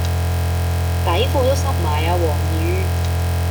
底褲都濕埋啊黃雨